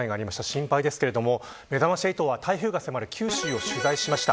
心配ですがめざまし８は、台風が迫る九州を取材しました。